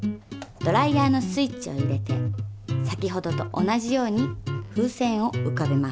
ドライヤーのスイッチを入れて先ほどと同じように風船を浮かべます。